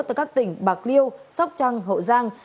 từ các tỉnh bạc liêu sóc trăng hậu giang